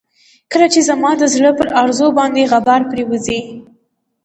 کله چې زما د زړه پر ارزو باندې غبار پرېوځي.